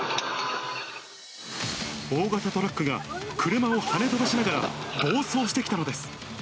大型トラックが、車をはね飛ばしながら暴走してきたのです。